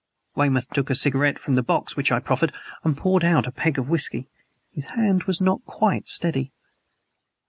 Weymouth took a cigarette from the box which I proffered and poured out a peg of whisky. His hand was not quite steady.